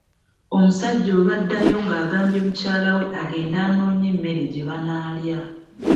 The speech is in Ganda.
Omusajja olwaddayo ng’agambye mukyala we agende anoonye emmere gye banaalya.